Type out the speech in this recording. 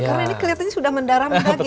karena ini kelihatannya sudah mendaram lagi